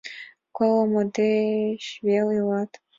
Колымо деч вел илат.